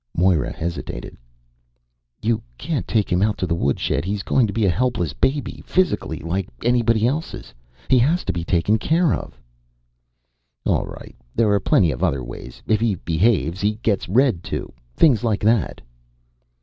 Moira hesitated. "You can't take him out to the woodshed. He's going to be a helpless baby, physically, like anybody else's. He has to be taken care of." "All right, there are plenty of other ways. If he behaves, he gets read to. Things like that."